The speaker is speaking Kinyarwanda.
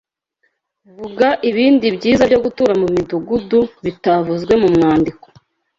Vuga ibindi byiza byo gutura mu midugudu bitavuzwe mu mwandiko